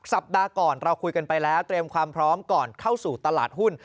สัปดาห์ก่อนเราคุยกันไปแล้วเตรียมความพร้อมก่อนเข้าสู่ตลาดหุ้น